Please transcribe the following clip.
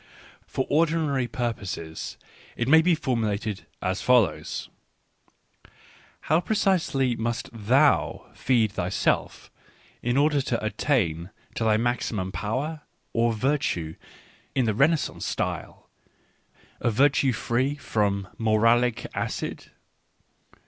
For ordinary pur poses, it may be formulated as follows :" How pre cisely must thou feed thyself in order to attain to thy maximum of power, or virtii in the Renaissance style, — of virtue free fro m moralic acid